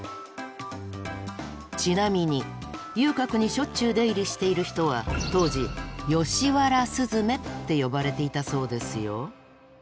ちなみに遊郭にしょっちゅう出入りしている人は当時「吉原雀」って呼ばれていたそうですよ。